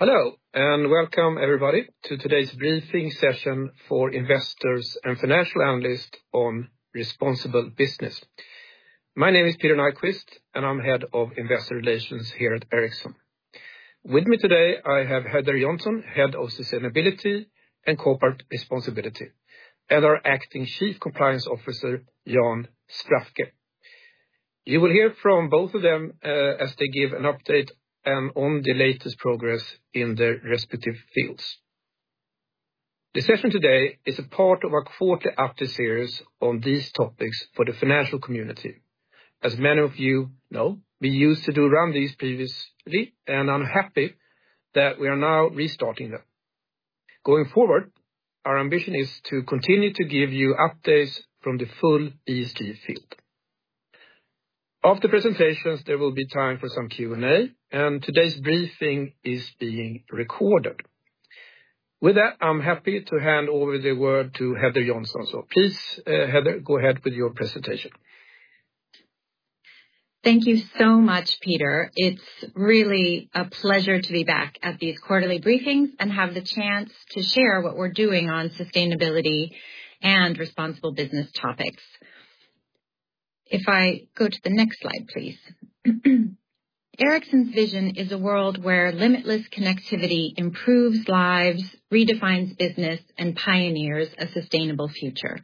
Hello, welcome everybody to today's briefing session for investors and financial analysts on responsible business. My name is Peter Nyquist, and I'm Head of Investor Relations here at Ericsson. With me today, I have Heather Johnson, Head of Sustainability and Corporate Responsibility, and our Acting Chief Compliance Officer, Jan Sprafke. You will hear from both of them, as they give an update on the latest progress in their respective fields. The session today is a part of our quarterly update series on these topics for the financial community. As many of you know, we used to run these previously, and I'm happy that we are now restarting them. Going forward, our ambition is to continue to give you updates from the full ESG field. After presentations, there will be time for some Q&A, and today's briefing is being recorded. With that, I'm happy to hand over the word to Heather Johnson. Please, Heather, go ahead with your presentation. Thank you so much, Peter. It's really a pleasure to be back at these quarterly briefings and have the chance to share what we're doing on sustainability and responsible business topics. If I go to the next slide, please. Ericsson's vision is a world where limitless connectivity improves lives, redefines business, and pioneers a sustainable future.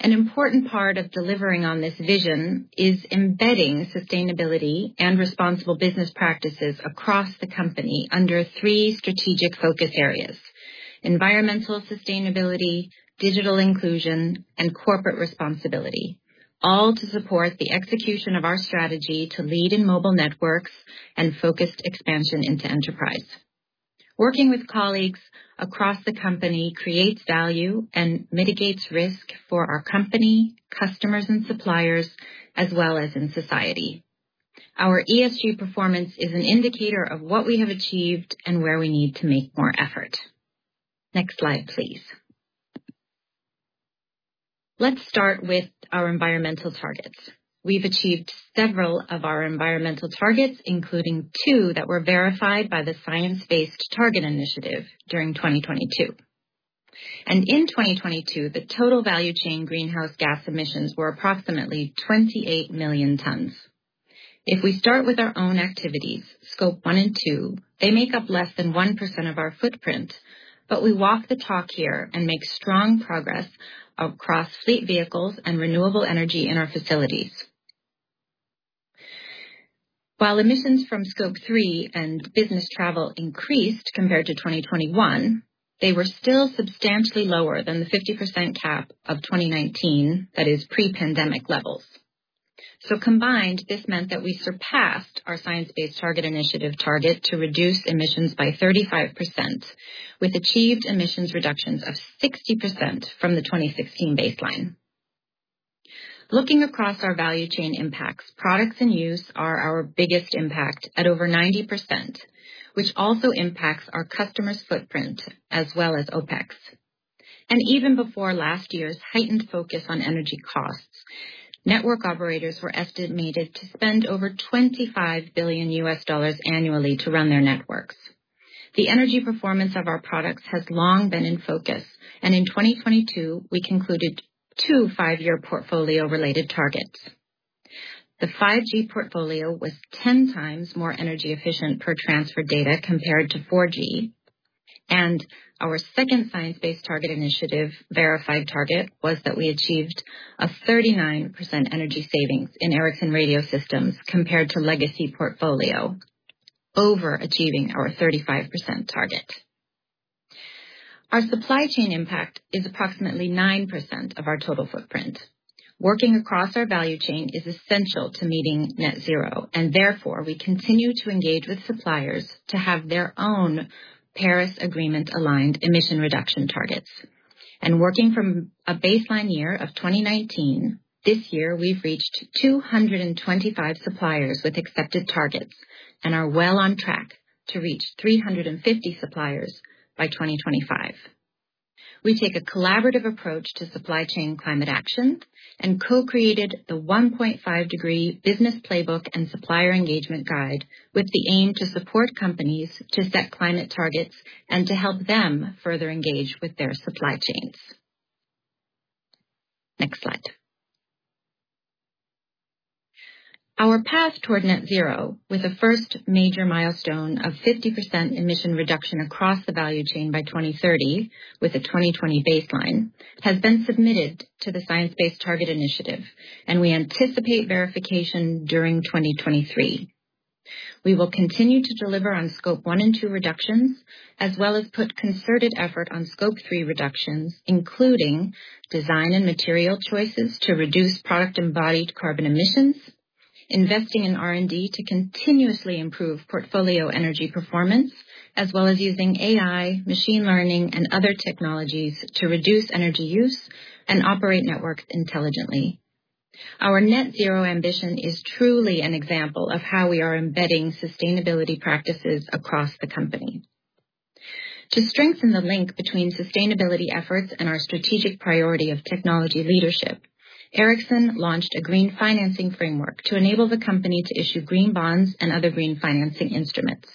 An important part of delivering on this vision is embedding sustainability and responsible business practices across the company under three strategic focus areas: environmental sustainability, digital inclusion, and corporate responsibility, all to support the execution of our strategy to lead in mobile networks and focused expansion into enterprise. Working with colleagues across the company creates value and mitigates risk for our company, customers, and suppliers, as well as in society. Our ESG performance is an indicator of what we have achieved and where we need to make more effort. Next slide, please. Let's start with our environmental targets. We've achieved several of our environmental targets, including two that were verified by the Science Based Targets initiative during 2022. In 2022, the total value chain greenhouse gas emissions were approximately 28 million tons. If we start with our own activities, scope one and two, they make up less than 1% of our footprint, but we walk the talk here and make strong progress across fleet vehicles and renewable energy in our facilities. While emissions from scope three and business travel increased compared to 2021, they were still substantially lower than the 50% cap of 2019, that is, pre-pandemic levels. Combined, this meant that we surpassed our Science Based Targets initiative target to reduce emissions by 35%, with achieved emissions reductions of 60% from the 2016 baseline. Looking across our value chain impacts, products in use are our biggest impact at over 90%, which also impacts our customers' footprint as well as OpEx. Even before last year's heightened focus on energy costs, network operators were estimated to spend over $25 billion annually to run their networks. The energy performance of our products has long been in focus, and in 2022, we concluded two five-year portfolio-related targets. The 5G portfolio was 10 times more energy efficient per transferred data compared to 4G, and our second Science Based Targets initiative verified target was that we achieved a 39% energy savings in Ericsson Radio System compared to legacy portfolio, overachieving our 35% target. Our supply chain impact is approximately 9% of our total footprint. Working across our value chain is essential to meeting net-zero, and therefore, we continue to engage with suppliers to have their own Paris Agreement-aligned emission reduction targets. Working from a baseline year of 2019, this year, we've reached 225 suppliers with accepted targets and are well on track to reach 350 suppliers by 2025. We take a collaborative approach to supply chain climate action and co-created the 1.5°C Business Playbook and supplier engagement guide with the aim to support companies to set climate targets and to help them further engage with their supply chains. Next slide. Our path toward net-zero, with a first major milestone of 50% emission reduction across the value chain by 2030, with a 2020 baseline, has been submitted to the Science Based Targets initiative, and we anticipate verification during 2023. We will continue to deliver on scope one and two reductions, as well as put concerted effort on scope three reductions, including design and material choices to reduce product-embodied carbon emissions, investing in R&D to continuously improve portfolio energy performance, as well as using AI, machine learning, and other technologies to reduce energy use and operate networks intelligently. Our net-zero ambition is truly an example of how we are embedding sustainability practices across the company....To strengthen the link between sustainability efforts and our strategic priority of technology leadership, Ericsson launched a Green Financing Framework to enable the company to issue green bonds and other green financing instruments.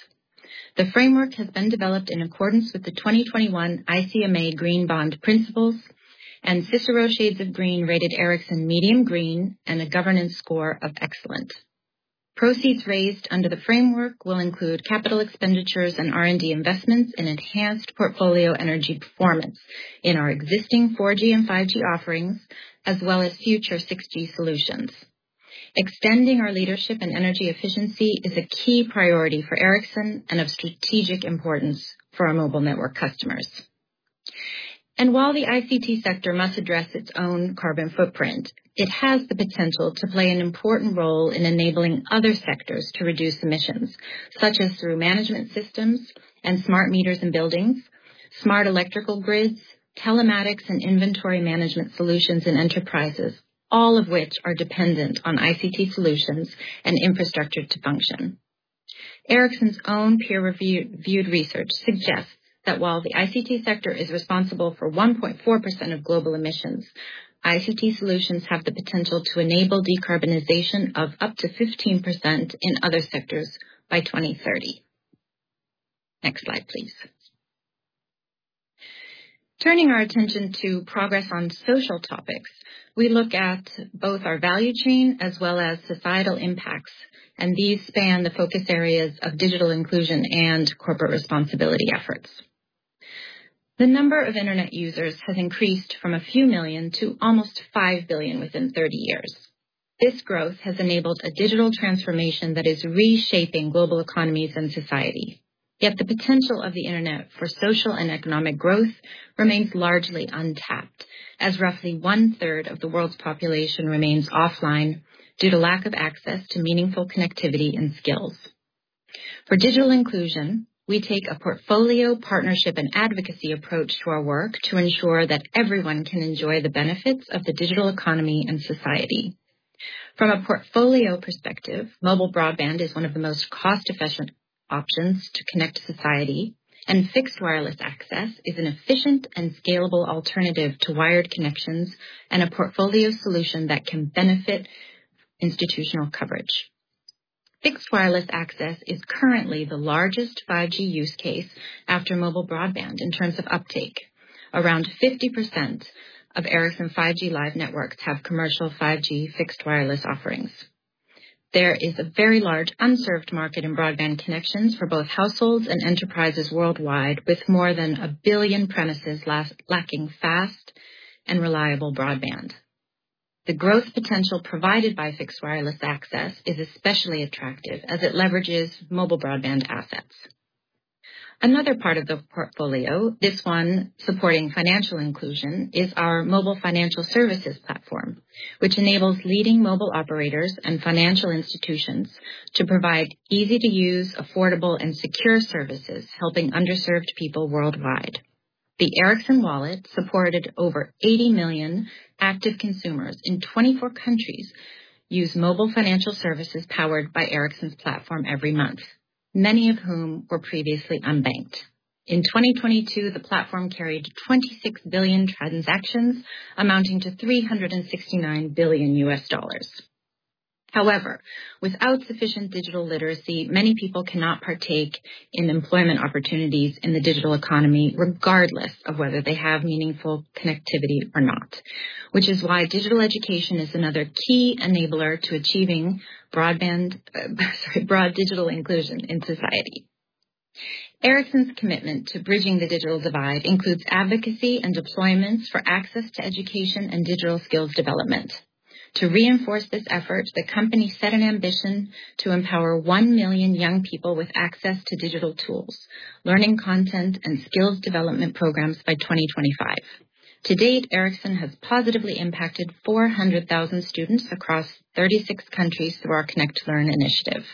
The framework has been developed in accordance with the 2021 ICMA Green Bond Principles. CICERO Shades of Green rated Ericsson medium green and a governance score of excellent. Proceeds raised under the framework will include capital expenditures and R&D investments in enhanced portfolio energy performance in our existing 4G and 5G offerings, as well as future 6G solutions. Extending our leadership and energy efficiency is a key priority for Ericsson and of strategic importance for our mobile network customers. While the ICT sector must address its own carbon footprint, it has the potential to play an important role in enabling other sectors to reduce emissions, such as through management systems and smart meters in buildings, smart electrical grids, telematics and inventory management solutions in enterprises, all of which are dependent on ICT solutions and infrastructure to function. Ericsson's own peer-reviewed research suggests that while the ICT sector is responsible for 1.4% of global emissions, ICT solutions have the potential to enable decarbonization of up to 15% in other sectors by 2030. Next slide, please. Turning our attention to progress on social topics, we look at both our value chain as well as societal impacts. These span the focus areas of digital inclusion and corporate responsibility efforts. The number of internet users has increased from a few million to almost 5 billion within 30 years. This growth has enabled a digital transformation that is reshaping global economies and society. Yet the potential of the internet for social and economic growth remains largely untapped, as roughly one-third of the world's population remains offline due to lack of access to meaningful connectivity and skills. For digital inclusion, we take a portfolio, partnership, and advocacy approach to our work to ensure that everyone can enjoy the benefits of the digital economy and society. From a portfolio perspective, mobile broadband is one of the most cost-efficient options to connect society, and Fixed Wireless Access is an efficient and scalable alternative to wired connections and a portfolio solution that can benefit institutional coverage. Fixed Wireless Access is currently the largest 5G use case after mobile broadband in terms of uptake. Around 50% of Ericsson 5G live networks have commercial 5G fixed wireless offerings. There is a very large unserved market in broadband connections for both households and enterprises worldwide, with more than 1 billion premises lacking fast and reliable broadband. The growth potential provided by Fixed Wireless Access is especially attractive as it leverages mobile broadband assets. Another part of the portfolio, this one supporting financial inclusion, is our Mobile Financial Services platform, which enables leading mobile operators and financial institutions to provide easy-to-use, affordable, and secure services, helping underserved people worldwide. The Ericsson Wallet supported over 80 million active consumers in 24 countries, use Mobile Financial Services powered by Ericsson's platform every month, many of whom were previously unbanked. In 2022, the platform carried 26 billion transactions, amounting to $369 billion. However, without sufficient digital literacy, many people cannot partake in employment opportunities in the digital economy, regardless of whether they have meaningful connectivity or not. Which is why digital education is another key enabler to achieving broadband, sorry, broad digital inclusion in society. Ericsson's commitment to bridging the digital divide includes advocacy and deployments for access to education and digital skills development. To reinforce this effort, the company set an ambition to empower 1 million young people with access to digital tools, learning content, and skills development programs by 2025. To date, Ericsson has positively impacted 400,000 students across 36 countries through our Connect to Learn initiative.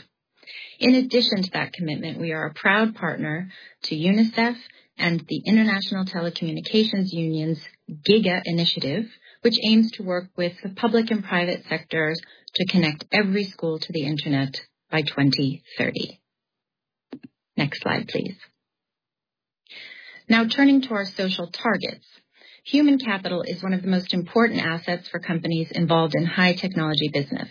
In addition to that commitment, we are a proud partner to UNICEF and the International Telecommunication Union's Giga initiative, which aims to work with the public and private sectors to connect every school to the internet by 2030. Next slide, please. Turning to our social targets. Human capital is one of the most important assets for companies involved in high-technology business.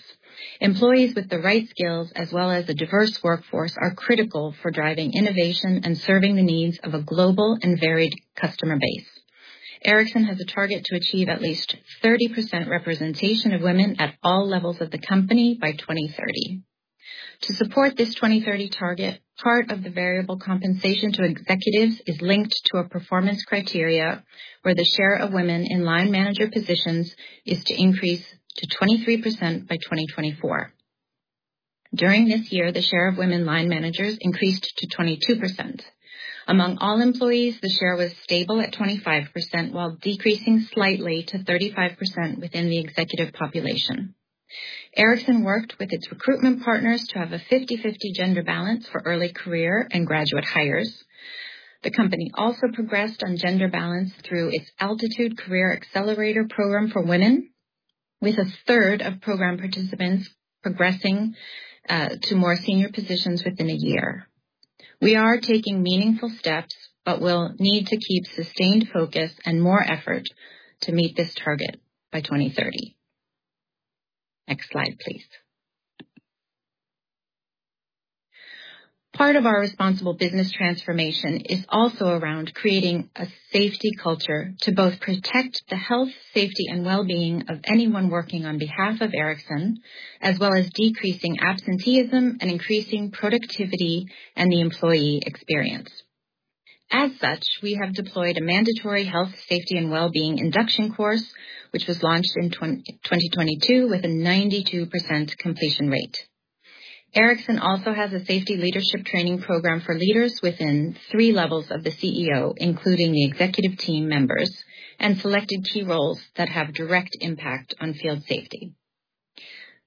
Employees with the right skills, as well as a diverse workforce, are critical for driving innovation and serving the needs of a global and varied customer base. Ericsson has a target to achieve at least 30% representation of women at all levels of the company by 2030. To support this 2030 target, part of the variable compensation to executives is linked to a performance criteria where the share of women in line manager positions is to increase to 23% by 2024. During this year, the share of women line managers increased to 22%. Among all employees, the share was stable at 25%, while decreasing slightly to 35% within the executive population. Ericsson worked with its recruitment partners to have a 50/50 gender balance for early career and graduate hires. The company also progressed on gender balance through its Altitude Career Accelerator program for women with a third of program participants progressing to more senior positions within a year. We are taking meaningful steps, but we'll need to keep sustained focus and more effort to meet this target by 2030. Next slide, please. Part of our responsible business transformation is also around creating a safety culture to both protect the health, safety, and well-being of anyone working on behalf of Ericsson, as well as decreasing absenteeism and increasing productivity and the employee experience. As such, we have deployed a mandatory health, safety, and well-being induction course, which was launched in 2022 with a 92% completion rate. Ericsson also has a safety leadership training program for leaders within three levels of the CEO, including the executive team members, and selected key roles that have direct impact on field safety.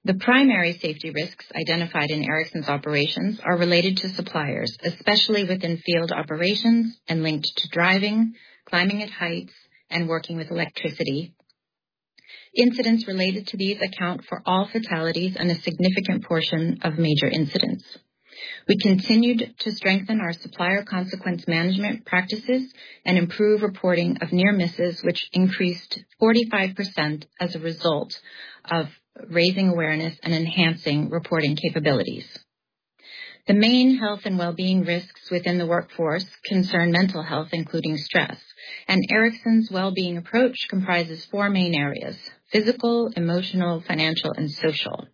The primary safety risks identified in Ericsson's operations are related to suppliers, especially within field operations and linked to driving, climbing at heights, and working with electricity. Incidents related to these account for all fatalities and a significant portion of major incidents. We continued to strengthen our supplier consequence management practices and improve reporting of near misses, which increased 45% as a result of raising awareness and enhancing reporting capabilities. The main health and well-being risks within the workforce concern mental health, including stress, and Ericsson's well-being approach comprises four main areas: physical, emotional, financial, and social.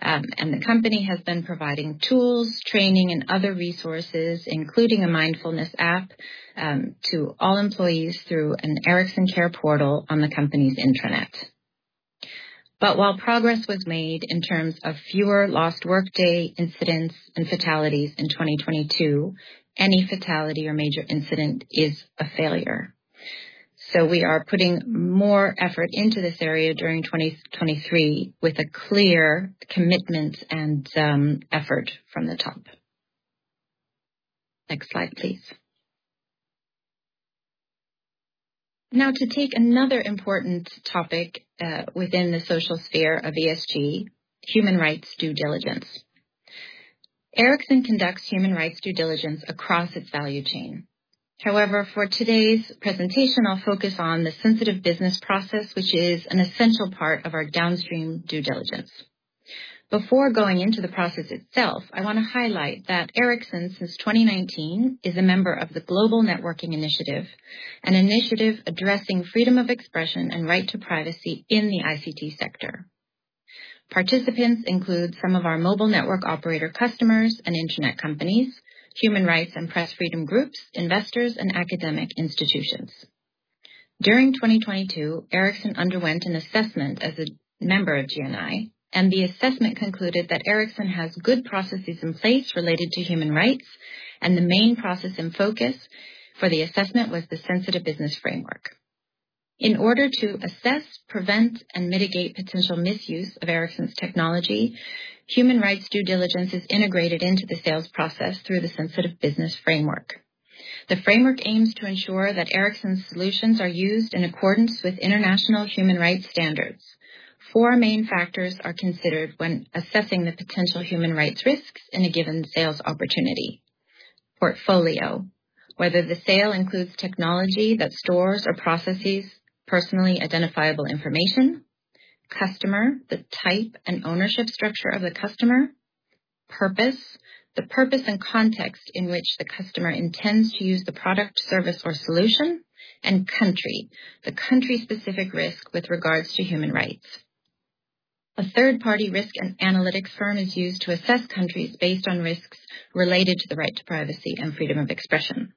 The company has been providing tools, training, and other resources, including a mindfulness app, to all employees through an Ericsson Care portal on the company's intranet. While progress was made in terms of fewer lost workday incidents and fatalities in 2022, any fatality or major incident is a failure. We are putting more effort into this area during 2023 with a clear commitment and effort from the top. Next slide, please. Now, to take another important topic, within the social sphere of ESG: human rights due diligence. Ericsson conducts human rights due diligence across its value chain. However, for today's presentation, I'll focus on the sensitive business process, which is an essential part of our downstream due diligence. Before going into the process itself, I wanna highlight that Ericsson, since 2019, is a member of the Global Network Initiative, an initiative addressing freedom of expression and right to privacy in the ICT sector. Participants include some of our mobile network operator customers and internet companies, human rights and press freedom groups, investors, and academic institutions. During 2022, Ericsson underwent an assessment as a member of GNI, and the assessment concluded that Ericsson has good processes in place related to human rights, and the main process and focus for the assessment was the Sensitive Business Framework. In order to assess, prevent, and mitigate potential misuse of Ericsson's technology, human rights due diligence is integrated into the sales process through the Sensitive Business Framework. The framework aims to ensure that Ericsson solutions are used in accordance with international human rights standards. Four main factors are considered when assessing the potential human rights risks in a given sales opportunity. Portfolio: whether the sale includes technology that stores or processes personally identifiable information. Customer: the type and ownership structure of the customer. Purpose: the purpose and context in which the customer intends to use the product, service, or solution, and country: the country-specific risk with regards to human rights. A third-party risk and analytics firm is used to assess countries based on risks related to the right to privacy and freedom of expression.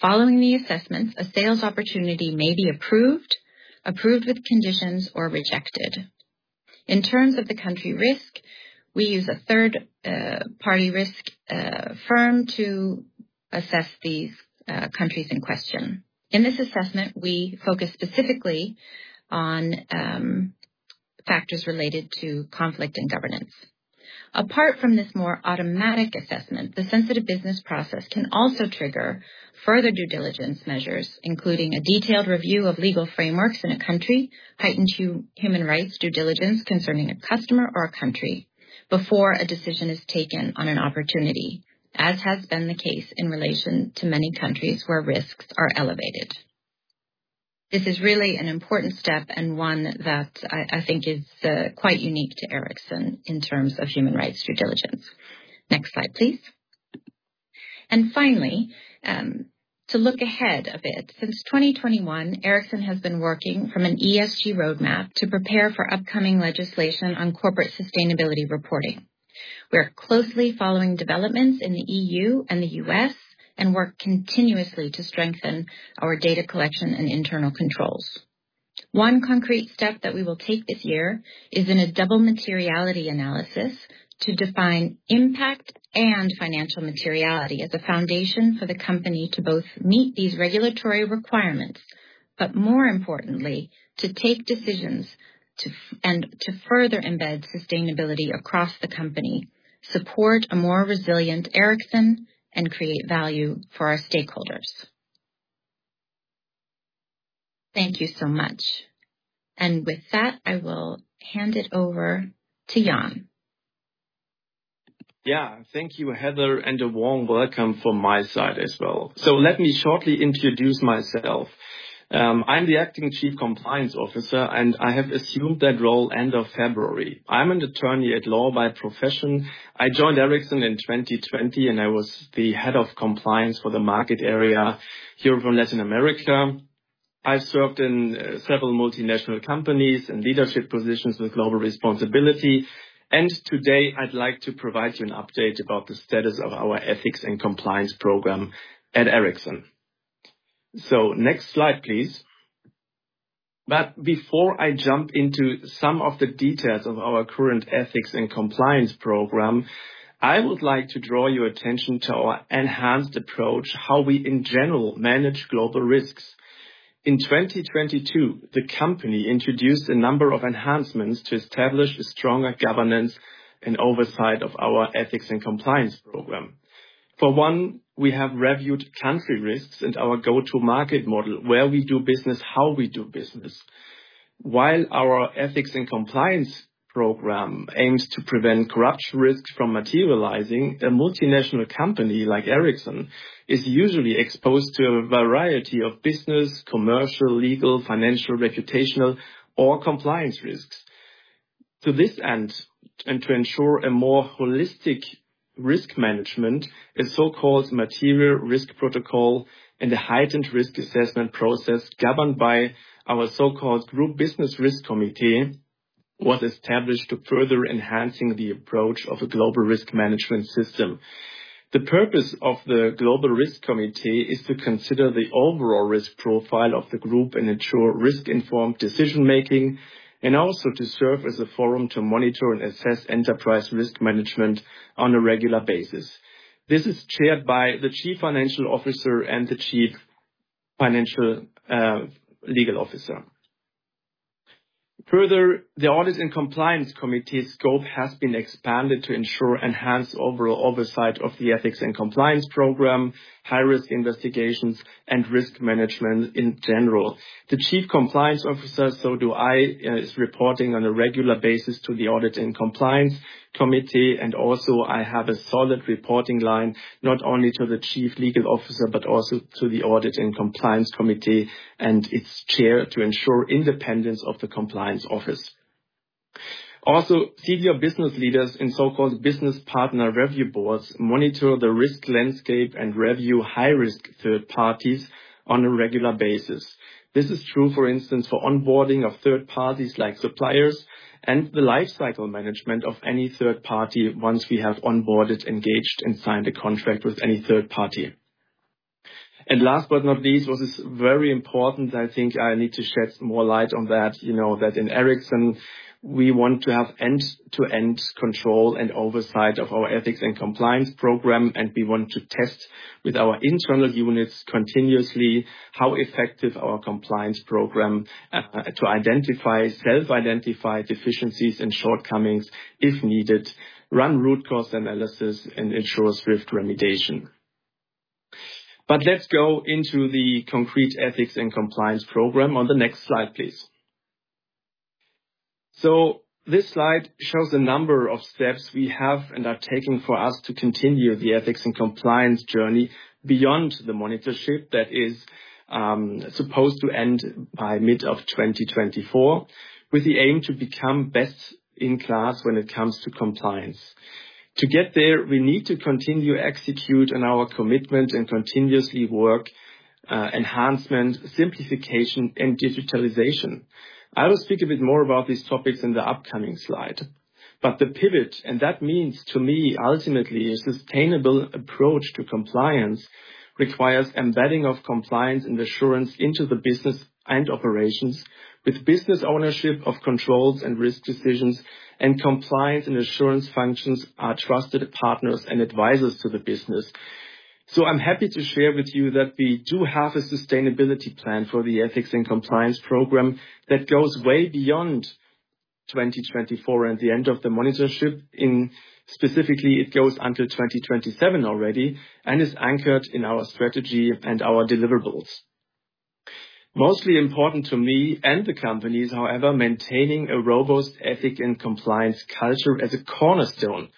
Following the assessments, a sales opportunity may be approved with conditions, or rejected. In terms of the country risk, we use a third-party risk firm to assess these countries in question. In this assessment, we focus specifically on factors related to conflict and governance. Apart from this more automatic assessment, the Sensitive Business process can also trigger further due diligence measures, including a detailed review of legal frameworks in a country, heightened human rights due diligence concerning a customer or a country before a decision is taken on an opportunity, as has been the case in relation to many countries where risks are elevated. This is really an important step and one that I think is quite unique to Ericsson in terms of human rights due diligence. Next slide, please. Finally, to look ahead a bit. Since 2021, Ericsson has been working from an ESG roadmap to prepare for upcoming legislation on corporate sustainability reporting. We are closely following developments in the EU and the US and work continuously to strengthen our data collection and internal controls. One concrete step that we will take this year is in a double materiality analysis to define impact and financial materiality as a foundation for the company to both meet these regulatory requirements, but more importantly, to take decisions and to further embed sustainability across the company, support a more resilient Ericsson, and create value for our stakeholders. Thank you so much. With that, I will hand it over to Jan. Thank you, Heather, and a warm welcome from my side as well. Let me shortly introduce myself. I'm the Acting Chief Compliance Officer, and I have assumed that role end of February. I'm an attorney at law by profession. I joined Ericsson in 2020, and I was the Head of Compliance for the market area here for Latin America. I've served in several multinational companies in leadership positions with global responsibility, and today I'd like to provide you an update about the status of our ethics and compliance program at Ericsson. Next slide, please. Before I jump into some of the details of our current ethics and compliance program, I would like to draw your attention to our enhanced approach, how we in general manage global risks. In 2022, the company introduced a number of enhancements to establish a stronger governance and oversight of our ethics and compliance program. For one, we have reviewed country risks and our go-to market model, where we do business, how we do business. While our ethics and compliance program aims to prevent corruption risks from materializing, a multinational company like Ericsson is usually exposed to a variety of business, commercial, legal, financial, reputational, or compliance risks. To this end, and to ensure a more holistic risk management, a so-called material risk protocol and a heightened risk assessment process, governed by our so-called Group Business Risk Committee, was established to further enhancing the approach of a global risk management system. The purpose of the Global Risk Committee is to consider the overall risk profile of the group and ensure risk-informed decision-making, and also to serve as a forum to monitor and assess enterprise risk management on a regular basis. This is chaired by the chief financial officer and the chief legal officer. Further, the Audit and Compliance Committee's scope has been expanded to ensure enhanced overall oversight of the ethics and compliance program, high-risk investigations, and risk management in general. The chief compliance officer, so do I, is reporting on a regular basis to the Audit and Compliance Committee. I also have a solid reporting line, not only to the Chief Legal Officer, but also to the Audit and Compliance Committee, and its chair, to ensure independence of the compliance office. Senior business leaders and so-called Business Partner Review Boards monitor the risk landscape and review high-risk third parties on a regular basis. This is true, for instance, for onboarding of third parties like suppliers and the lifecycle management of any third party once we have onboarded, engaged, and signed a contract with any third party. Last but not least, this is very important, I think I need to shed some more light on that. You know that in Ericsson, we want to have end-to-end control and oversight of our ethics and compliance program, and we want to test with our internal units continuously how effective our compliance program, to identify, self-identify deficiencies and shortcomings if needed, run root cause analysis and ensure swift remediation. Let's go into the concrete ethics and compliance program on the next slide, please. This slide shows a number of steps we have and are taking for us to continue the ethics and compliance journey beyond the monitorship that is supposed to end by mid of 2024, with the aim to become best in class when it comes to compliance. To get there, we need to continue to execute on our commitment and continuously work enhancement, simplification, and digitalization. I will speak a bit more about these topics in the upcoming slide. The pivot, and that means to me, ultimately, a sustainable approach to compliance, requires embedding of compliance and assurance into the business and operations, with business ownership of controls and risk decisions, and compliance and assurance functions are trusted partners and advisors to the business. I'm happy to share with you that we do have a sustainability plan for the ethics and compliance program that goes way beyond 2024 and the end of the monitorship. In specifically, it goes until 2027 already and is anchored in our strategy and our deliverables. Mostly important to me and the company is, however, maintaining a robust ethics and compliance culture as a cornerstone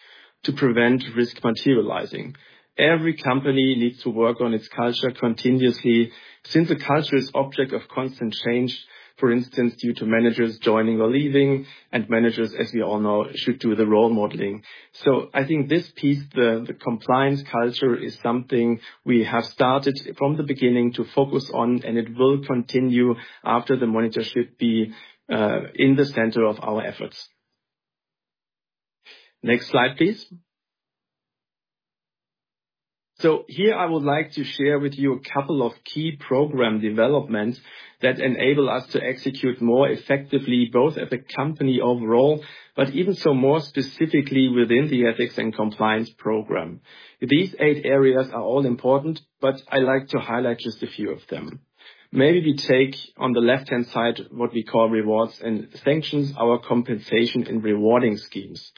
to prevent risk materializing. Every company needs to work on its culture continuously, since the culture is object of constant change, for instance, due to managers joining or leaving, and managers, as we all know, should do the role modeling. I think this piece, the compliance culture, is something we have started from the beginning to focus on, and it will continue after the monitorship be in the center of our efforts. Next slide, please. Here I would like to share with you a couple of key program developments that enable us to execute more effectively, both at the company overall, but even so, more specifically within the ethics and compliance program. These eight areas are all important, but I like to highlight just a few of them. Maybe we take on the left-hand side what we call Rewards and Sanctions, our compensation and rewarding schemes.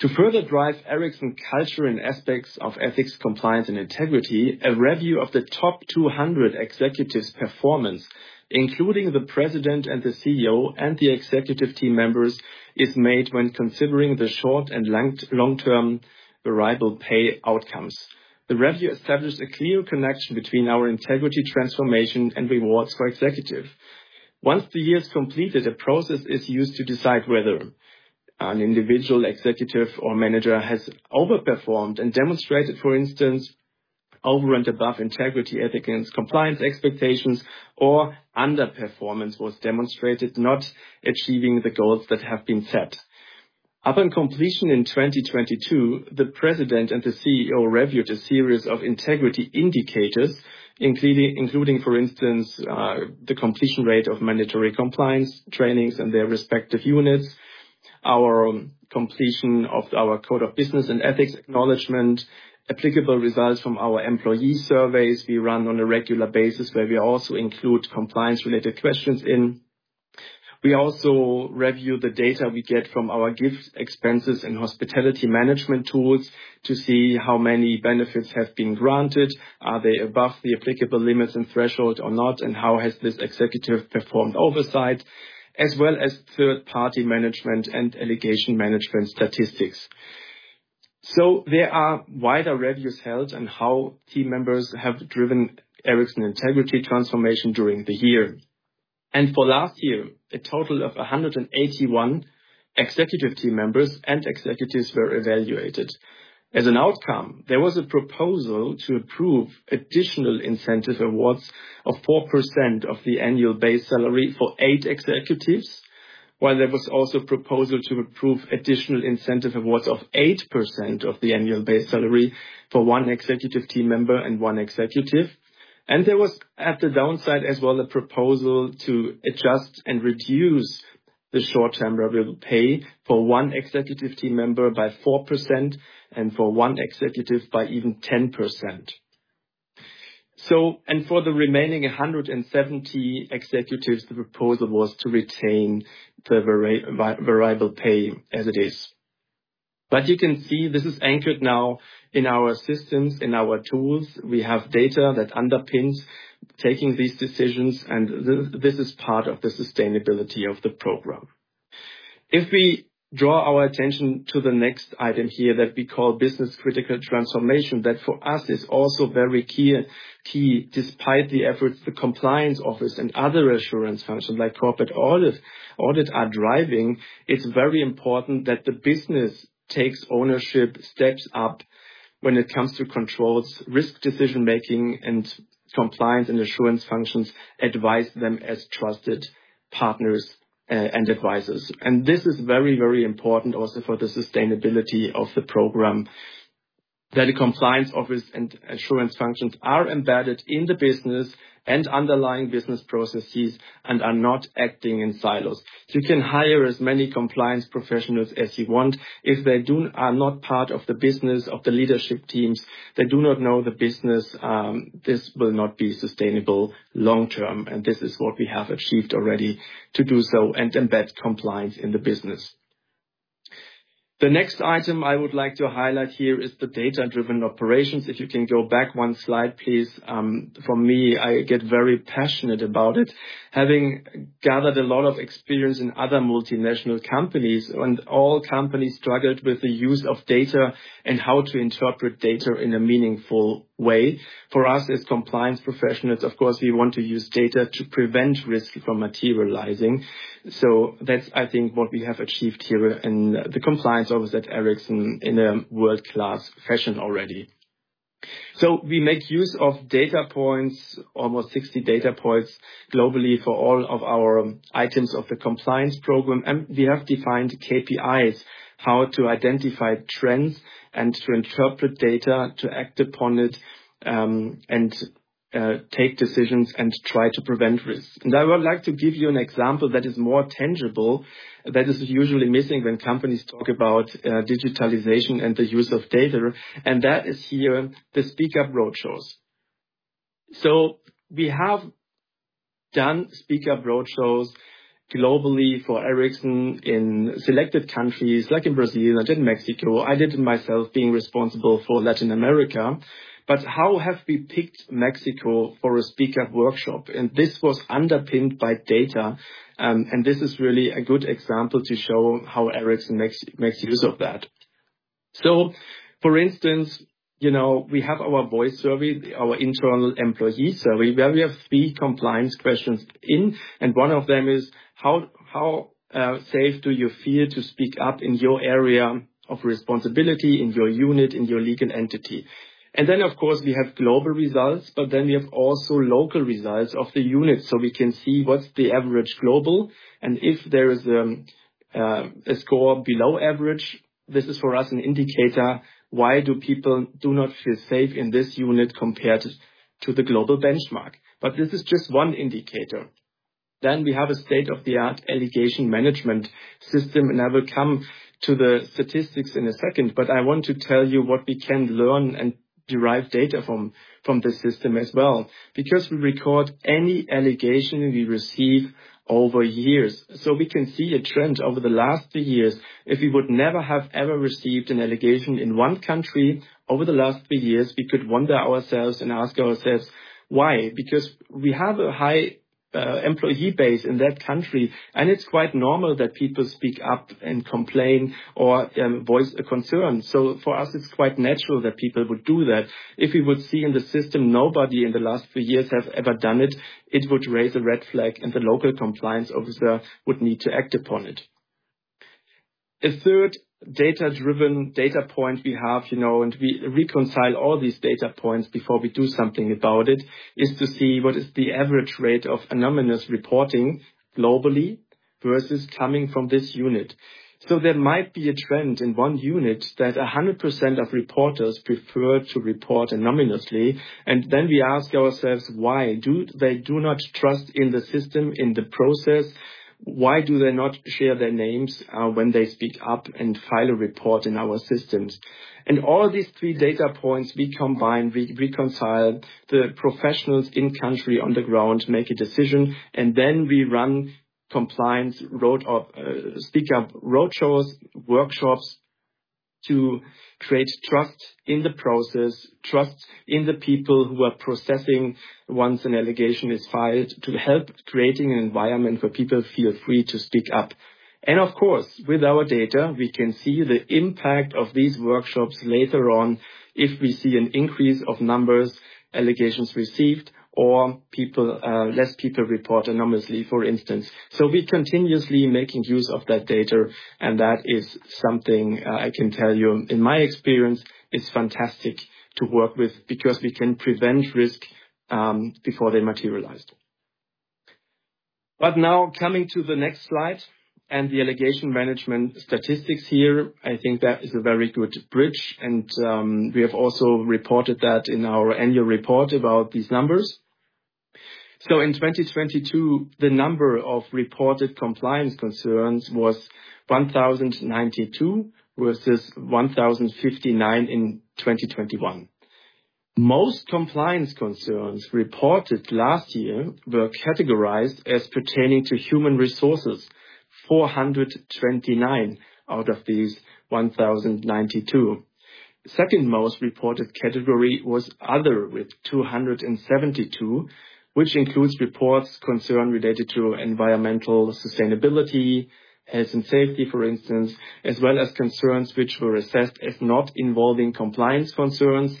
To further drive Ericsson culture and aspects of ethics, compliance, and integrity, a review of the top 200 executives' performance, including the President and the CEO and the Executive Team Members, is made when considering the short and length, long-term variable pay outcomes. The review establishes a clear connection between our integrity, transformation, and rewards for executive. Once the year is completed, a process is used to decide whether an individual, executive, or manager has overperformed and demonstrated, for instance, over and above integrity, ethics, and compliance expectations, or underperformance was demonstrated, not achieving the goals that have been set. Upon completion in 2022, the president and the CEO reviewed a series of integrity indicators, including, for instance, the completion rate of mandatory compliance trainings in their respective units, our completion of our Code of Business Ethics acknowledgement, applicable results from our employee surveys we run on a regular basis, where we also include compliance-related questions in. We also review the data we get from our gifts, expenses, and hospitality management tools to see how many benefits have been granted, are they above the applicable limits and threshold or not, and how has this executive performed oversight, as well as third-party management and allegation management statistics. There are wider reviews held on how team members have driven Ericsson integrity transformation during the year. For last year, a total of 181 executive team members and executives were evaluated. As an outcome, there was a proposal to approve additional incentive awards of 4% of the annual base salary for eight executives, while there was also a proposal to approve additional incentive awards of 8% of the annual base salary for one executive team member and one executive. There was, at the downside as well, a proposal to adjust and reduce the short-term variable pay for one executive team member by 4% and for one executive by even 10%. For the remaining 170 executives, the proposal was to retain the variable pay as it is. You can see this is anchored now in our systems, in our tools. We have data that underpins taking these decisions, and this is part of the sustainability of the program. If we draw our attention to the next item here, that we call Business Critical Transformation, that for us is also very key, despite the efforts the compliance office and other assurance functions, like corporate audit are driving, it's very important that the business takes ownership, steps up when it comes to controls, risk decision-making, and compliance and assurance functions advise them as trusted partners and advisors. This is very, very important also for the sustainability of the program, that the compliance office and assurance functions are embedded in the business and underlying business processes and are not acting in silos. You can hire as many compliance professionals as you want. If they are not part of the business, of the leadership teams, they do not know the business, this will not be sustainable long term. This is what we have achieved already to do so and embed compliance in the business. The next item I would like to highlight here is the data-driven operations. If you can go back one slide, please, for me, I get very passionate about it. Having gathered a lot of experience in other multinational companies, all companies struggled with the use of data and how to interpret data in a meaningful way. For us, as compliance professionals, of course, we want to use data to prevent risk from materializing. That's, I think, what we have achieved here in the compliance office at Ericsson in a world-class fashion already. We make use of data points, almost 60 data points globally, for all of our items of the compliance program. We have defined KPIs, how to identify trends and to interpret data, to act upon it, and take decisions and try to prevent risks. I would like to give you an example that is more tangible, that is usually missing when companies talk about digitalization and the use of data, and that is here, the Speak Up roadshows. We have done Speak Up roadshows globally for Ericsson in selected countries, like in Brazil and in Mexico. I did it myself, being responsible for Latin America. How have we picked Mexico for a Speak Up workshop? This was underpinned by data, and this is really a good example to show how Ericsson makes use of that. You know, we have our voice survey, our internal employee survey, where we have three compliance questions in, and one of them is: How safe do you feel to Speak Up in your area of responsibility, in your unit, in your legal entity? Of course, we have global results, we have also local results of the unit, so we can see what's the average global, and if there is a score below average, this is for us an indicator, why do people do not feel safe in this unit compared to the global benchmark. This is just one indicator. We have a state-of-the-art allegation management system, and I will come to the statistics in a second, but I want to tell you what we can learn and derive data from the system as well, because we record any allegation we receive over years. We can see a trend over the last two years. If we would never have ever received an allegation in 1 country over the last three years, we could wonder ourselves and ask ourselves, why? We have a high employee base in that country, and it's quite normal that people speak up and complain or voice a concern. For us, it's quite natural that people would do that. If we would see in the system, nobody in the last few years have ever done it would raise a red flag, and the local compliance officer would need to act upon it. A third data-driven data point we have, you know, and we reconcile all these data points before we do something about it, is to see what is the average rate of anonymous reporting globally versus coming from this unit. There might be a trend in one unit that 100% of reporters prefer to report anonymously, and then we ask ourselves, why? They do not trust in the system, in the process? Why do they not share their names, when they Speak Up and file a report in our systems? All these three data points we combine, we reconcile, the professionals in country on the ground make a decision, and then we run compliance road, Speak Up roadshows, workshops to create trust in the process, trust in the people who are processing once an allegation is filed, to help creating an environment where people feel free to Speak Up. Of course, with our data, we can see the impact of these workshops later on if we see an increase of numbers, allegations received, or people, less people report anonymously, for instance. We're continuously making use of that data, and that is something, I can tell you, in my experience, is fantastic to work with, because we can prevent risk, before they materialized. Now coming to the next slide, and the allegation management statistics here, I think that is a very good bridge. We have also reported that in our annual report about these numbers. In 2022, the number of reported compliance concerns was 1,092, versus 1,059 in 2021. Most compliance concerns reported last year were categorized as pertaining to human resources, 429 out of these 1,092. Second most reported category was other, with 272, which includes reports concern related to environmental sustainability, health and safety, for instance, as well as concerns which were assessed as not involving compliance concerns,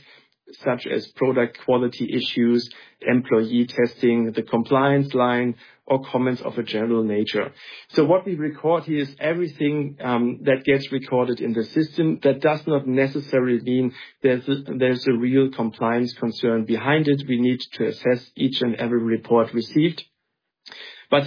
such as product quality issues, employee testing, the compliance line, or comments of a general nature. What we record here is everything that gets recorded in the system. That does not necessarily mean there's a real compliance concern behind it. We need to assess each and every report received.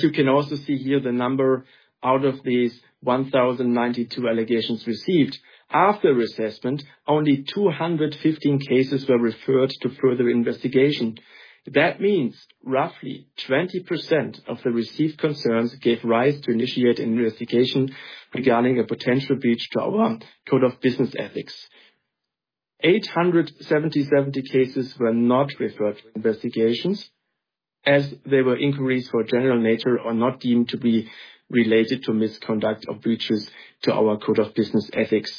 You can also see here the number out of these 1,092 allegations received. After assessment, only 215 cases were referred to further investigation. That means roughly 20% of the received concerns gave rise to initiate an investigation regarding a potential breach to our Code of Business Ethics. 877 cases were not referred to investigations, as they were inquiries for general nature or not deemed to be related to misconduct or breaches to our Code of Business Ethics.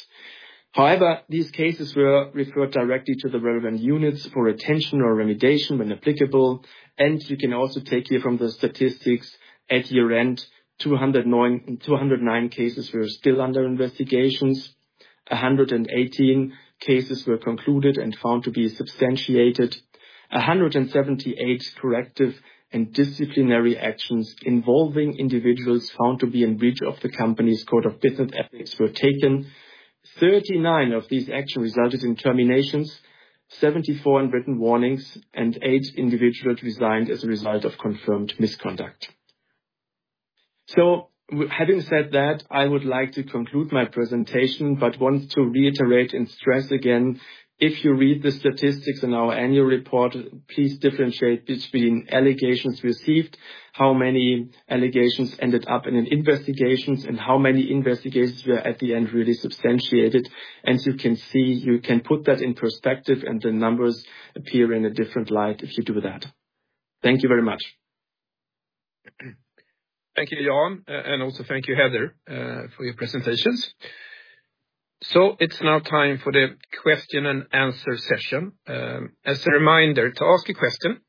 However, these cases were referred directly to the relevant units for attention or remediation when applicable. You can also take here from the statistics, at year-end, 209 cases were still under investigations, 118 cases were concluded and found to be substantiated. 178 corrective and disciplinary actions involving individuals found to be in breach of the company's Code of Business Ethics were taken. 39 of these actions resulted in terminations, 74 in written warnings, and eight individuals resigned as a result of confirmed misconduct. Having said that, I would like to conclude my presentation, but want to reiterate and stress again, if you read the statistics in our annual report, please differentiate between allegations received, how many allegations ended up in an investigations, and how many investigations were at the end really substantiated. As you can see, you can put that in perspective, and the numbers appear in a different light if you do that. Thank you very much. Thank you, Jan, and also thank you, Heather, for your presentations. It's now time for the question and answer session. As a reminder, to ask a question,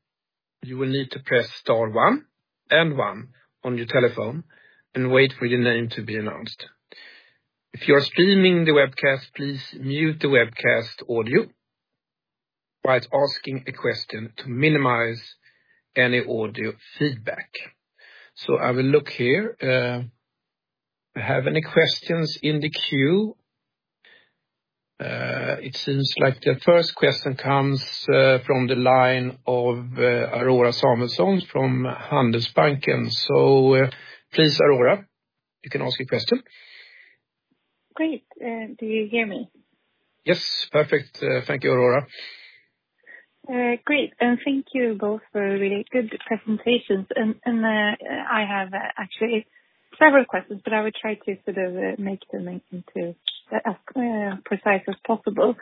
you will need to press star one and one on your telephone and wait for your name to be announced. If you are streaming the webcast, please mute the webcast audio while asking a question to minimize any audio feedback. I will look here. Do I have any questions in the queue? It seems like the first question comes from the line of Aurora Samuelsson from Handelsbanken. Please, Aurora, you can ask your question. Great. Do you hear me? Yes, perfect. Thank you, Aurora. Great, thank you both for really good presentations. I have actually several questions, but I will try to sort of make them into as precise as possible.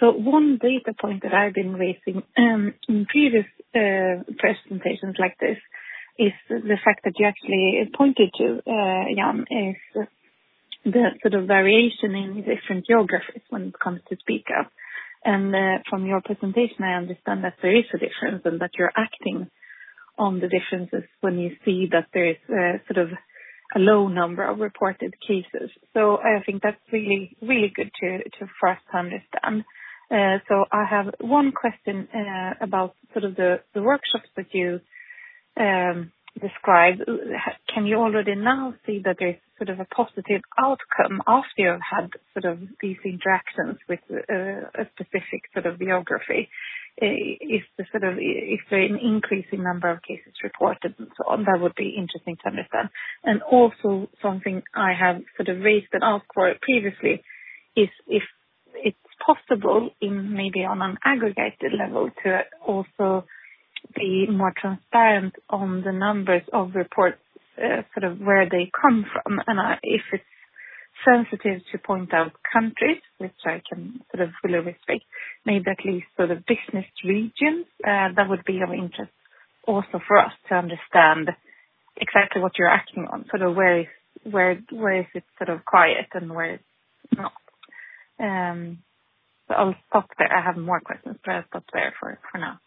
One data point that I've been raising in previous presentations like this, is the fact that you actually pointed to Jan, is the sort of variation in different geographies when it comes to Speak Up. From your presentation, I understand that there is a difference and that you're acting on the differences when you see that there is sort of a low number of reported cases. I think that's really good to for us to understand. I have one question about sort of the workshops that you describe. Can you already now see that there's sort of a positive outcome after you've had sort of these interactions with a specific sort of geography? Is there an increasing number of cases reported? That would be interesting to understand. Also something I have sort of raised and asked for previously, is if it's possible, in maybe on an aggregated level, to also be more transparent on the numbers of reports, sort of where they come from, and if it's sensitive to point out countries, which I can sort of fully respect, maybe at least for the business region, that would be of interest also for us to understand exactly what you're acting on. Sort of where is it sort of quiet and where it's not. I'll stop there. I have more questions, but I'll stop there for now.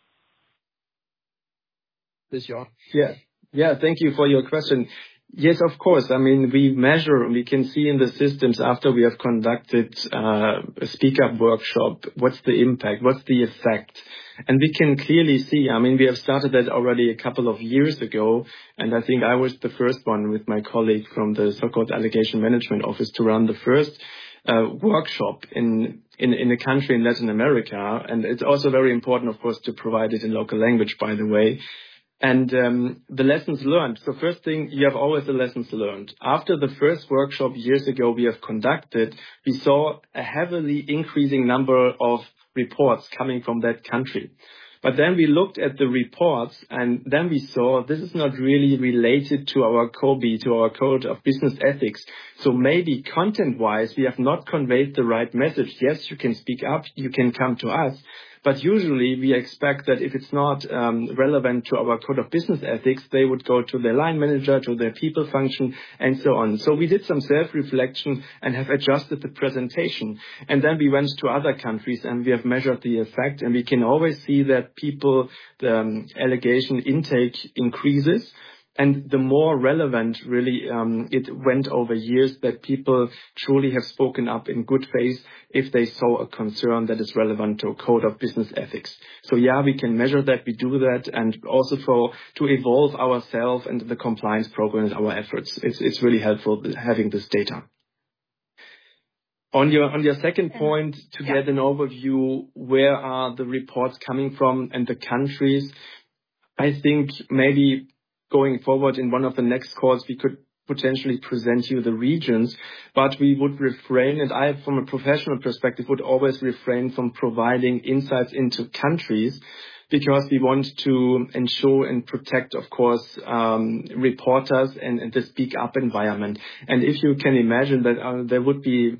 This Jan? Yes. Yeah, thank you for your question. Yes, of course. I mean, we measure, we can see in the systems after we have conducted a Speak Up workshop, what's the impact, what's the effect? We can clearly see, I mean, we have started that already a couple of years ago, and I think I was the first one with my colleague from the so-called Allegation Management Office, to run the first workshop in a country in Latin America. It's also very important, of course, to provide it in local language, by the way. The lessons learned. You have always the lessons learned. After the first workshop years ago, we have conducted, we saw a heavily increasing number of reports coming from that country. We looked at the reports, we saw this is not really related to our COBE, to our code of business ethics, maybe content-wise, we have not conveyed the right message. Yes, you can speak up, you can come to us, usually we expect that if it's not relevant to our code of business ethics, they would go to their line manager, to their people function, and so on. We did some self-reflection and have adjusted the presentation. We went to other countries, we have measured the effect, we can always see that people, the allegation intake increases. The more relevant, really, it went over years, that people truly have spoken up in good faith if they saw a concern that is relevant to a code of business ethics. Yeah, we can measure that. We do that to evolve ourselves and the compliance program and our efforts. It's really helpful having this data. On your second point, to get an overview, where are the reports coming from and the countries, I think maybe going forward in one of the next calls, we could potentially present you the regions, we would refrain, and I, from a professional perspective, would always refrain from providing insights into countries, because we want to ensure and protect, of course, reporters and the Speak Up environment. If you can imagine that there would be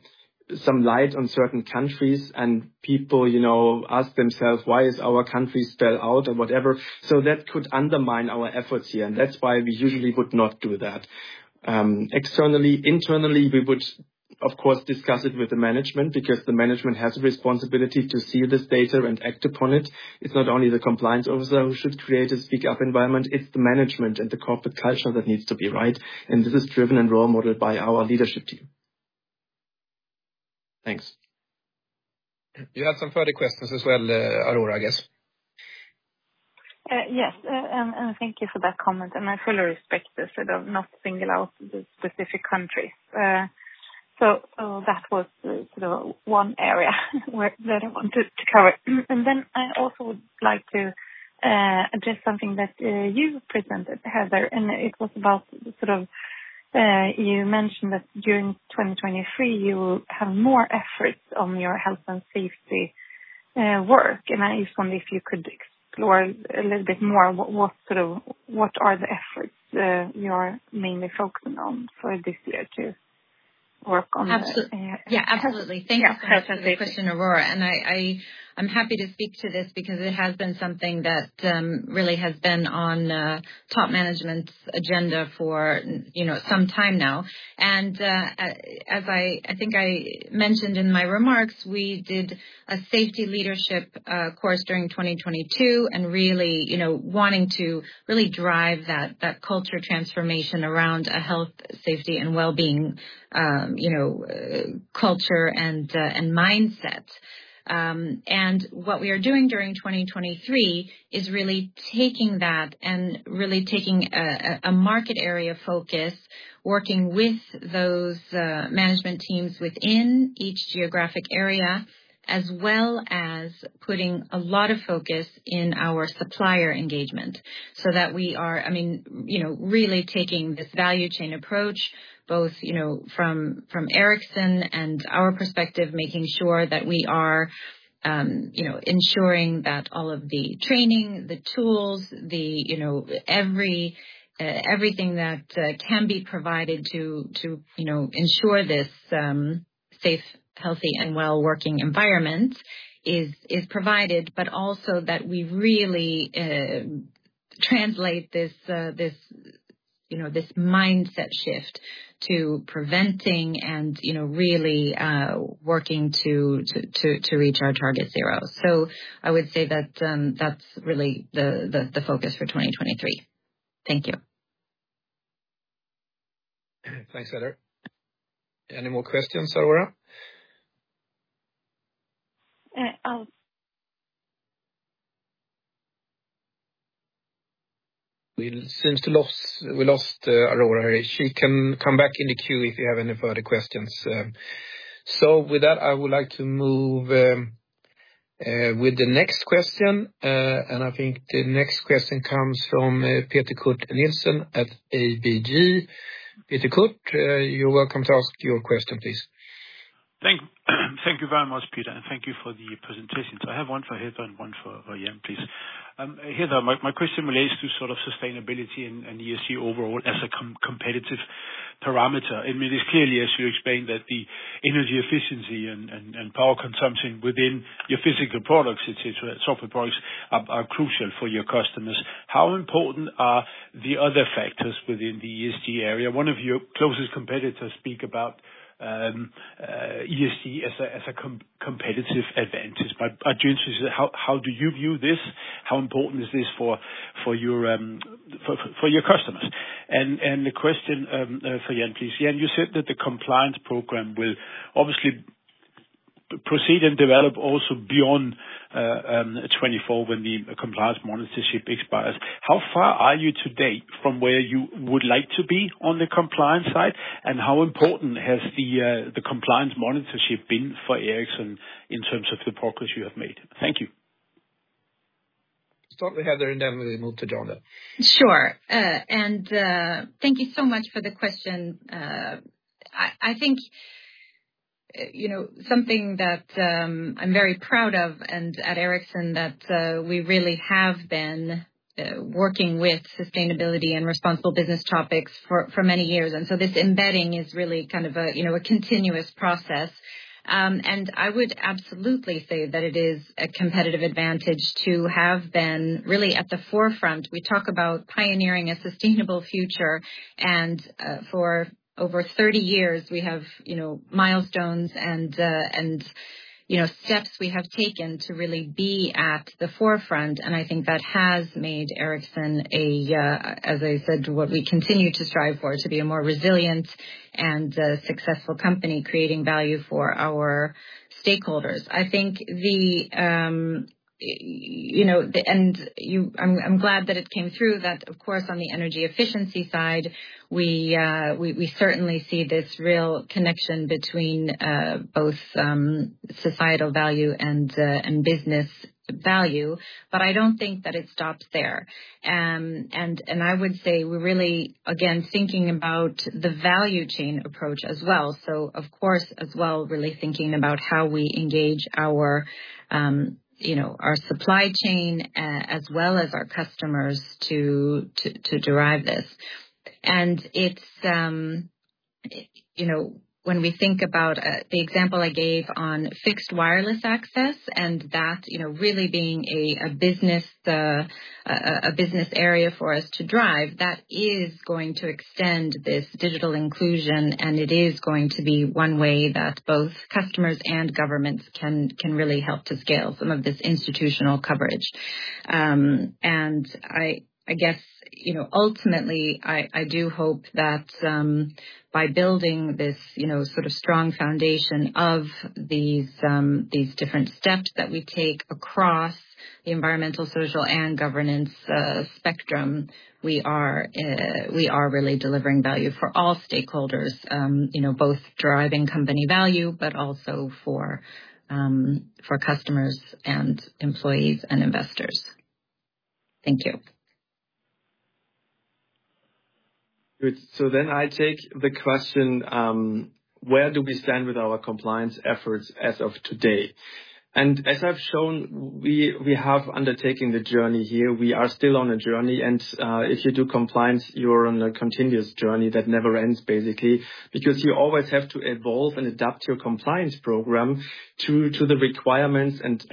some light on certain countries and people, you know, ask themselves: "Why is our country spelled out?" or whatever, so that could undermine our efforts here, and that's why we usually would not do that. Externally, internally, we would, of course, discuss it with the management, because the management has a responsibility to see this data and act upon it. It's not only the compliance officer who should create a speak up environment, it's the management and the corporate culture that needs to be right, and this is driven and role modeled by our leadership team. Thanks. You have some further questions as well, Aurora, I guess. Yes, and thank you for that comment, and I fully respect the sort of not single out the specific countries. So, that was the sort of one area where, that I wanted to cover. Then I also would like to address something that you presented, Heather, and it was about sort of, you mentioned that during 2023, you will have more efforts on your health and safety work. I just wonder if you could explore a little bit more, what sort of what are the efforts, you're mainly focusing on for this year to work on? Absolutely. Yeah, absolutely. Yeah. Thank you for that question, Aurora, and I'm happy to speak to this because it has been something that really has been on top management's agenda for, you know, some time now. As I think I mentioned in my remarks, we did a safety leadership course during 2022, and really, you know, wanting to really drive that culture transformation around a health, safety, and well-being, you know, culture and mindsets. And what we are doing during 2023, is really taking that and really taking a market area focus, working with those management teams within each geographic area, as well as putting a lot of focus in our supplier engagement, so that we are, I mean, you know, really taking this value chain approach, both, you know, from Ericsson and our perspective, making sure that we are, you know, ensuring that all of the training, the tools, the, you know, everything that can be provided to, you know, ensure this safe, healthy, and well working environment is provided, but also that we really translate this, you know, this mindset shift to preventing and, you know, really working to reach our target zero. I would say that's really the focus for 2023. Thank you. Thanks, Heather. Any more questions, Aurora? Uh, um. We lost, Aurora. She can come back in the queue if you have any further questions. With that, I would like to move with the next question. I think the next question comes from Peter Kurt Nielsen at ABG. Peter Kurt, you're welcome to ask your question, please. Thank you very much, Peter, and thank you for the presentation. I have one for Heather and one for Jan, please. Heather, my question relates to sort of sustainability and ESG overall as a competitive parameter. I mean, it's clearly, as you explained, that the energy efficiency and power consumption within your physical products, et cetera, software products, are crucial for your customers. How important are the other factors within the ESG area? One of your closest competitors speak about ESG as a competitive advantage. How do you view this? How important is this for your customers? The question for Jan, please. Jan, you said that the compliance program will obviously proceed and develop also beyond 2024, when the compliance monitorship expires. How far are you today from where you would like to be on the compliance side? How important has the compliance monitorship been for Ericsson in terms of the progress you have made? Thank you. Start with Heather, and then we move to Jan then. Sure. Thank you so much for the question. I think, you know, something that I'm very proud of, and at Ericsson, that we really have been working with sustainability and responsible business topics for many years. This embedding is really kind of a, you know, a continuous process. I would absolutely say that it is a competitive advantage to have been really at the forefront. We talk about pioneering a sustainable future, and for over 30 years, we have, you know, milestones and, you know, steps we have taken to really be at the forefront. I think that has made Ericsson a, as I said, what we continue to strive for, to be a more resilient and successful company, creating value for our stakeholders. I think the, you know, the I'm glad that it came through that, of course, on the energy efficiency side, we certainly see this real connection between both societal value and business value. I don't think that it stops there. I would say we're really, again, thinking about the value chain approach as well. Of course, as well, really thinking about how we engage our, you know, our supply chain, as well as our customers, to derive this. It's, you know, when we think about, the example I gave on Fixed Wireless Access, and that, you know, really being a business area for us to drive, that is going to extend this digital inclusion, and it is going to be one way that both customers and governments can really help to scale some of this institutional coverage. I guess, you know, ultimately, I do hope that, by building this, you know, sort of strong foundation of these different steps that we take across the Environmental, Social, and Governance spectrum, we are really delivering value for all stakeholders, you know, both driving company value, but also for customers and employees and investors. Thank you. Good. I take the question: Where do we stand with our compliance efforts as of today? As I've shown, we have undertaken the journey here. We are still on a journey. If you do compliance, you're on a continuous journey that never ends, basically, because you always have to evolve and adapt your compliance program to the requirements and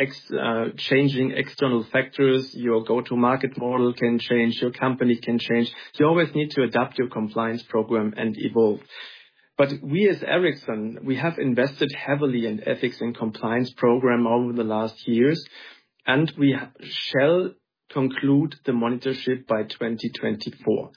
changing external factors. Your go-to market model can change, your company can change. You always need to adapt your compliance program and evolve. We, as Ericsson, we have invested heavily in ethics and compliance program over the last years, and we shall conclude the monitorship by 2024.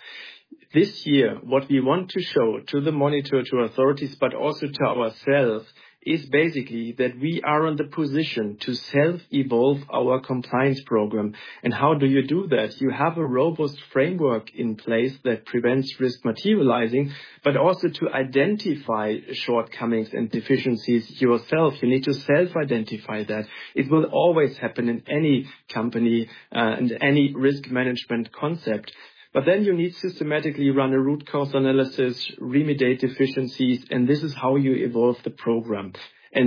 This year, what we want to show to the monitor, to authorities, but also to ourselves, is basically that we are in the position to self-evolve our compliance program. How do you do that? You have a robust framework in place that prevents risk materializing, but also to identify shortcomings and deficiencies yourself. You need to self-identify that. It will always happen in any company, and any risk management concept, but then you need to systematically run a root cause analysis, remediate deficiencies, and this is how you evolve the program.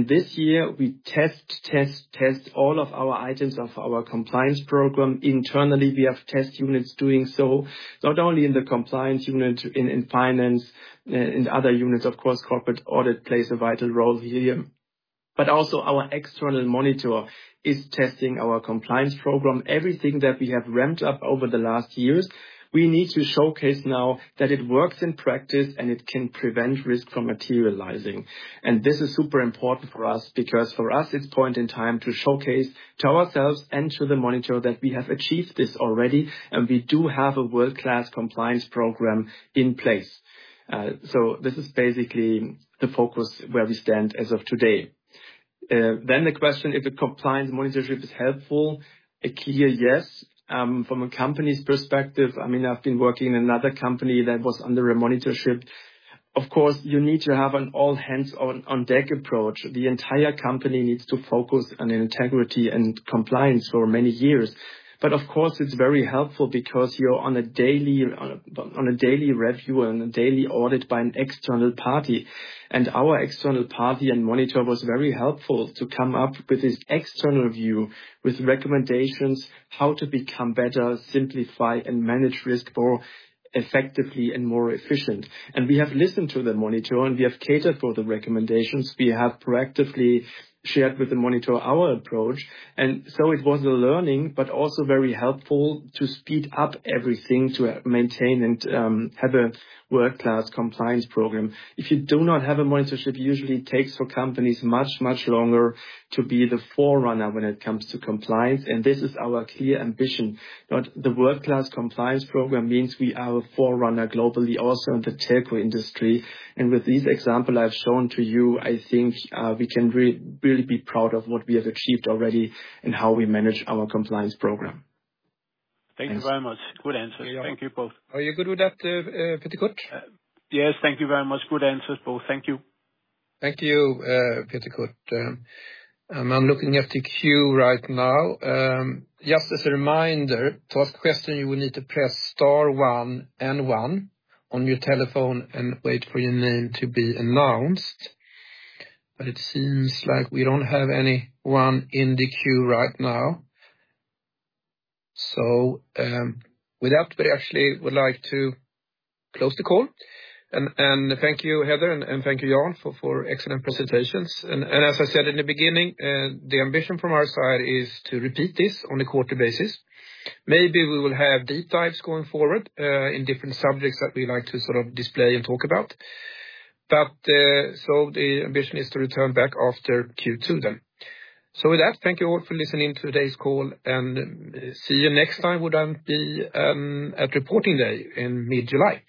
This year, we test, test all of our items of our compliance program. Internally, we have test units doing so, not only in the compliance unit, in finance, in other units, of course, corporate audit plays a vital role here. Also our external monitor is testing our compliance program. Everything that we have ramped up over the last years, we need to showcase now that it works in practice, and it can prevent risk from materializing. This is super important for us, because for us, it's point in time to showcase to ourselves and to the monitor that we have achieved this already, and we do have a world-class compliance program in place. This is basically the focus where we stand as of today. The question, if a compliance monitorship is helpful? A clear yes. From a company's perspective, I mean, I've been working in another company that was under a monitorship. Of course, you need to have an all-hands-on, on deck approach. The entire company needs to focus on integrity and compliance for many years. Of course, it's very helpful because you're on a daily review and a daily audit by an external party. Our external party and monitor was very helpful to come up with this external view, with recommendations, how to become better, simplify, and manage risk more effectively and more efficient. We have listened to the monitor, and we have catered for the recommendations. We have proactively shared with the monitor our approach, and so it was a learning, but also very helpful to speed up everything, to maintain and have a world-class compliance program. If you do not have a monitorship, usually it takes for companies much, much longer to be the forerunner when it comes to compliance, and this is our clear ambition. The world-class compliance program means we are a forerunner globally, also in the telco industry. With this example I've shown to you, I think, we can really be proud of what we have achieved already and how we manage our compliance program. Thank you very much. Good answer. Thank you both. Are you good with that, Peter Kurt? Yes, thank you very much. Good answers, both. Thank you. Thank you, Peter Kurt. I'm looking at the queue right now. Just as a reminder, to ask a question, you will need to press star one and one on your telephone and wait for your name to be announced. It seems like we don't have anyone in the queue right now. With that, we actually would like to close the call. Thank you, Heather, and thank you, Jan, for excellent presentations. As I said in the beginning, the ambition from our side is to repeat this on a quarterly basis. Maybe we will have deep dives going forward in different subjects that we like to sort of display and talk about. So the ambition is to return back after Q2 then. With that, thank you all for listening to today's call, and see you next time. Would be at reporting day in mid-July.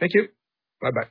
Thank you. Bye-bye.